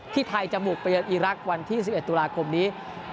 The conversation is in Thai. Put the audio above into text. ไทยจะบุกไปเยือนอีรักษ์วันที่๑๑ตุลาคมนี้